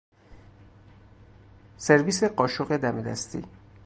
سرویس قاشق دم دستی